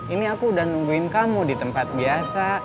ini aku udah nungguin kamu di tempat biasa